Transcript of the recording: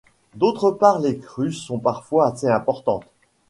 D'autre part les crues sont parfois assez importantes.